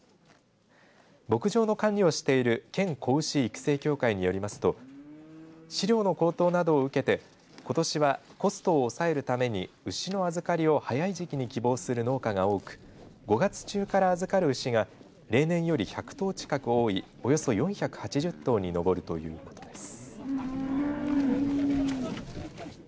牧場の管理をしている県子牛育成協会によりますと飼料の高騰などを受けてことしはコストを抑えるために牛の預かりを早い時期に希望する農家が多く５月中から預かる牛が例年より１００頭近く多いおよそ４８０頭に上るということです。